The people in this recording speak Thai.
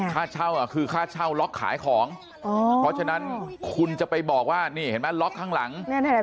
ค่าเช่าคือค่าเช่าล็อกขายของเพราะฉะนั้นคุณจะไปบอกว่านี่เห็นไหมล็อกข้างหลัง